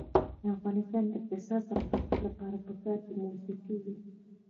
د افغانستان د اقتصادي پرمختګ لپاره پکار ده چې موسیقي وي.